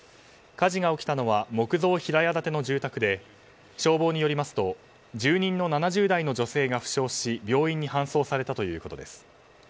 火事が起きたのは木造平屋建ての住宅で消防によりますと住人の７０代の女性が負傷し病院に搬送されたということです。